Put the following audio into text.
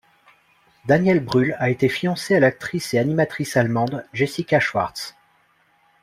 Daniel Brühl a été fiancé à l'actrice et animatrice allemande Jessica Schwarz.